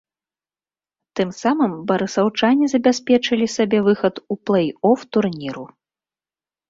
Тым самым барысаўчане забяспечылі сабе выхад у плэй-оф турніру.